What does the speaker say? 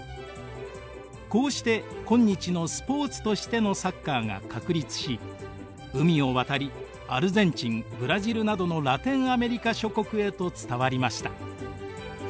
こうして今日のスポーツとしてのサッカーが確立し海を渡りアルゼンチンブラジルなどのラテンアメリカ諸国へと伝わりました。